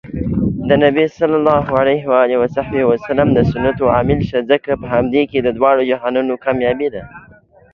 د نبي ص د سنتو عاملشه ځکه په همدې کې د دواړو جهانونو کامیابي